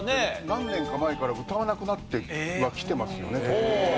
何年か前から歌わなくなってはきてますよね。